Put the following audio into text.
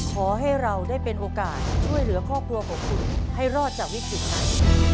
ขอให้เราได้เป็นโอกาสช่วยเหลือครอบครัวของคุณให้รอดจากวิกฤตนั้น